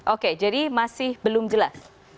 oke jadi masih belum jelas